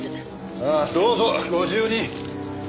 ああどうぞご自由に。